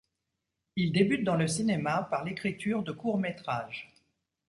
Il débute dans le cinéma par l'écriture de courts métrages.